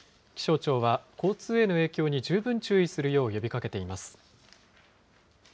気象庁は交通への影響に十分注意するよう呼びかけています。